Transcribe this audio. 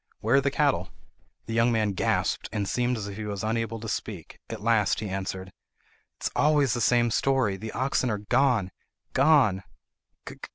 "Where are the cattle?" The young man gasped, and seemed as if he was unable to speak. At last he answered: "It is always the same story! The oxen are—gone—gone!"